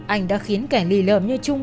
anh đã khiến kẻ lì lợm như trung